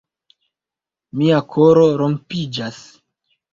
Mia koro rompiĝas.